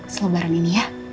selebaran ini ya